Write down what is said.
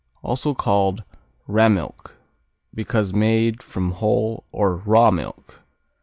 Also called Rammilk, because made from whole or "raw milk."